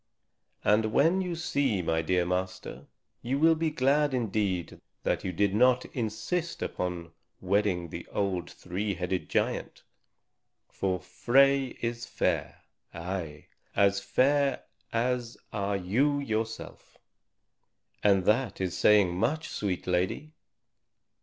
"And when you see my dear master, you will be glad indeed that you did not insist upon wedding the old three headed giant. For Frey is fair, ay, as fair as are you yourself. And that is saying much, sweet lady."